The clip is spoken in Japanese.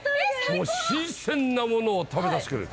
新鮮なものを食べさしてくれる。